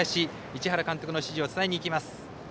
市原監督の指示を伝えに行きます。